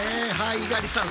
猪狩さん